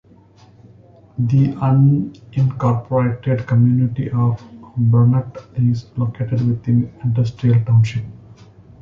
The unincorporated community of Burnett is located within Industrial Township.